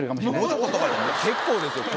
結構ですよ